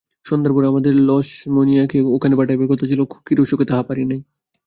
সন্ধ্যার পর আমাদের লছমনিয়াকে ওখানে পাঠাইবার কথা ছিল, খুকির অসুখে তাহা পারি নাই।